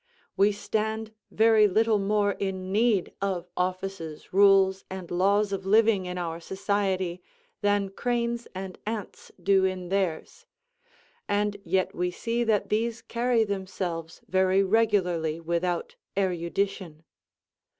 We stand very little more in need of offices, rules, and laws of living in our society, than cranes and ants do in theirs; and yet we see that these carry themselves very regularly without erudition.